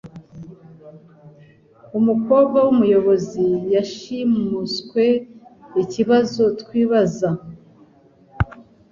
Umukobwa w'umuyobozi yashimuswe ikibazo twibaza(Hybrid)